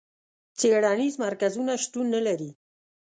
څېړنیز مرکزونه شتون نه لري.